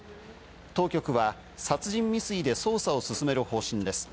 当局は殺人未遂で捜査を進める方針です。